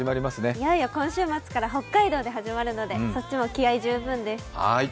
いよいよ今週末から北海道で始まるのでこっちも気合い十分です。